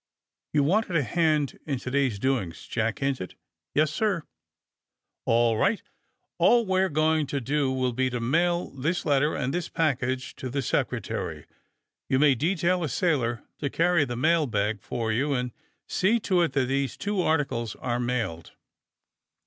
You wanted a hand in to day's doings?" Jack hinted. '^Yes, sir.'' *^A11 right. All we are going to do will be to mail this letter and this package to the Secre tary. You may detail a sailor to carry the mail bag for you and see to it that these two articles are mailed.